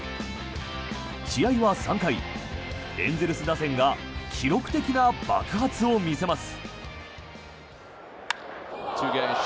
試合は３回、エンゼルス打線が記録的な爆発を見せます。